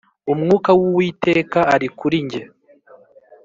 umwuka w’uwiteka ari kurinjye